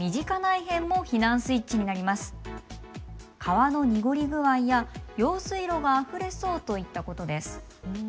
川のにごり具合や用水路があふれそうといったことです。